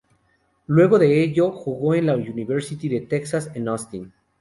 Luego de ello jugó en la University de Texas en Austin.